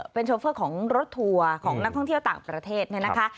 เป็นโชเฟอร์ของรถทัวร์ของนักท่องเที่ยวต่างประเทศเนี่ยนะคะ